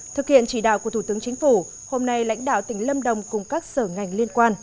thực hiện chỉ đạo của thủ tướng chính phủ hôm nay lãnh đạo tỉnh lâm đồng cùng các sở ngành liên quan